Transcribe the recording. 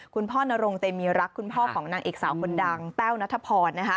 คุณพ่อนรงเตมีรักคุณพ่อของนางเอกสาวคนดังแต้วนัทพร